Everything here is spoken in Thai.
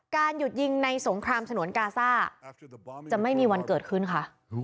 หยุดยิงในสงครามฉนวนกาซ่าจะไม่มีวันเกิดขึ้นค่ะ